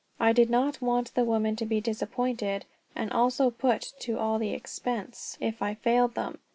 I did not want the women to be disappointed, and also put to all the expense, if I failed them.